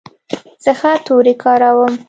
زه ښه توري کاروم.